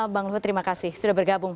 bang luhut terima kasih sudah bergabung